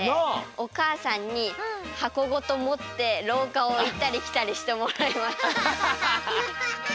おかあさんにはこごともってろうかをいったりきたりしてもらいました。